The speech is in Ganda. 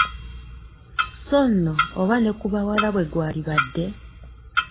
So nno oba ne ku bawala bwe gwalibadde!